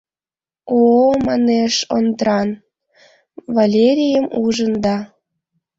— О! — манеш Ондран, Валерийым ужын да.